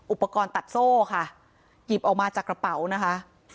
อุปกรณ์ตัดโซ่ค่ะหยิบออกมาจากกระเป๋านะคะ